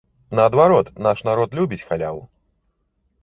Наадварот, наш народ любіць халяву.